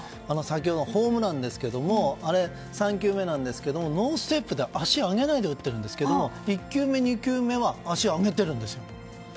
先ほどのホームランですけども３球目なんですけどノーステップで足を上げてないんですが１球目、２球目は足を上げてるんですよ。